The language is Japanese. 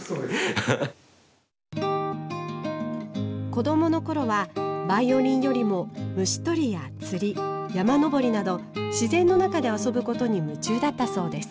子供のころはバイオリンよりも虫捕りや釣り山登りなど自然の中で遊ぶことに夢中だったそうです。